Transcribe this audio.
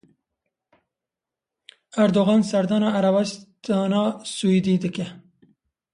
Erdogan Serdana Erebistana Siûdî dike.